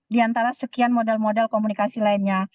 di antara sekian model model komunikasi lainnya